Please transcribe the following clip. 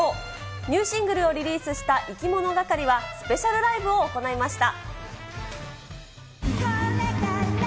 ニューシングルをリリースしたいきものがかりは、スペシャルライブを行いました。